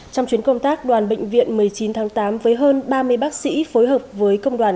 trong chuyến công tác đoàn bệnh viện một mươi chín tháng tám với hơn ba mươi bác sĩ phối hợp với công đoàn